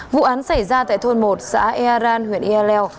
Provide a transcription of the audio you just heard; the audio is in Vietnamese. vụ án xảy ra tại thôn một xã earan huyện ialel